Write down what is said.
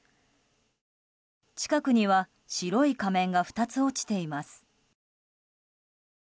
近くには白い仮面が２つ落ちています。